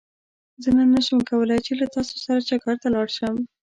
زه نن نه شم کولاي چې له تاسو سره چکرته لاړ شم